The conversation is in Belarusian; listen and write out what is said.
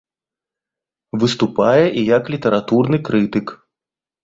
Выступае і як літаратурны крытык.